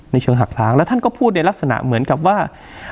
เชิงหักล้างแล้วท่านก็พูดในลักษณะเหมือนกับว่า